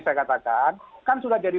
saya katakan kan sudah jadi